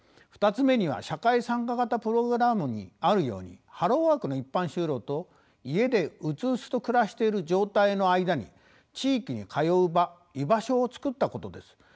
２つ目には社会参加型プログラムにあるようにハローワークの一般就労と家で鬱々と暮らしている状態の間に地域に通う場居場所をつくったことです。